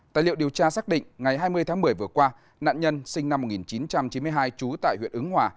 tài liệu điều tra xác định ngày hai mươi tháng một mươi vừa qua nạn nhân sinh năm một nghìn chín trăm chín mươi hai trú tại huyện ứng hòa